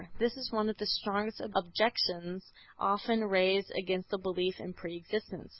This is one of the strongest objections often raised against the belief in pre existence.